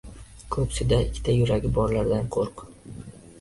ko‘ksida ikkita yuragi borlardan qo‘rq.